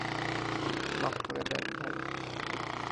মাফ করে দেন, ভাই।